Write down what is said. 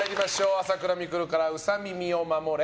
朝倉未来からウサ耳を守れ！